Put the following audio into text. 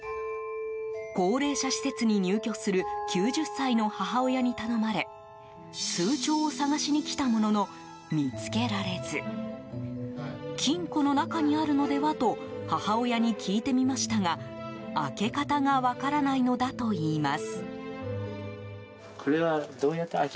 高齢者施設に入居する９０歳の母親に頼まれ通帳を探しに来たものの見つけられず金庫の中にあるのではと母親に聞いてみましたが開け方が分からないのだといいます。